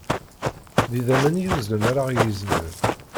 D idammen i yuzzlen ara ɣ-yezzmen.